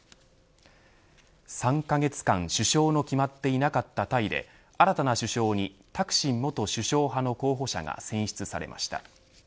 ３カ月間、首相の決まっていなかったタイで新たな首相にタクシン元首相派の候補者が選出されました。